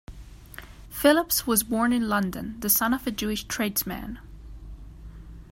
Phillips was born in London, the son of a Jewish tradesman.